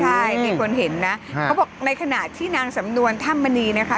ใช่มีคนเห็นนะเขาบอกในขณะที่นางสำนวนถ้ำมณีนะคะ